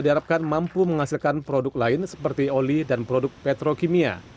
dan mengembangkan kedua duanya